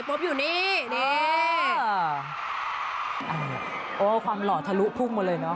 โอ้วความหล่อทะลุพุ่งมาเลยเนาะ